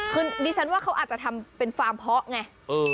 คือดิฉันว่าเขาอาจจะทำเป็นฟาร์มเพาะไง